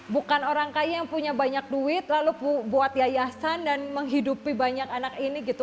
bukan orang kaya yang punya banyak duit lalu buat yayasan dan menghidupi banyak anak ini gitu